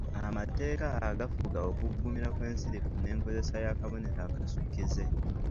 Amateeka agafuga okuggumira kw’ensirifu n’enkozesa y’akabonero akasukkize.